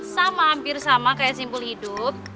sama hampir sama kayak simpul hidup